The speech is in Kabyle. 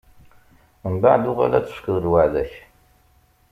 Mbeɛd, uɣal ad tefkeḍ lweɛda-k.